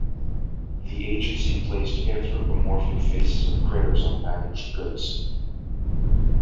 The agency placed anthropomorphic faces of 'critters' on packaged goods.